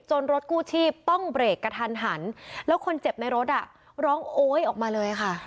รถกู้ชีพต้องเบรกกระทันหันแล้วคนเจ็บในรถอ่ะร้องโอ๊ยออกมาเลยค่ะ